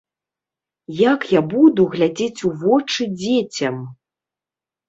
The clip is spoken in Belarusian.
Як я буду глядзець у вочы дзецям?